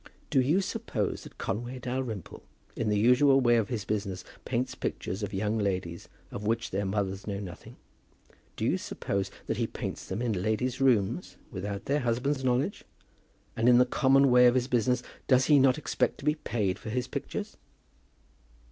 "Do you suppose that Conway Dalrymple, in the usual way of his business, paints pictures of young ladies, of which their mothers know nothing? Do you suppose that he paints them in ladies' rooms without their husbands' knowledge? And in the common way of his business does he not expect to be paid for his pictures?"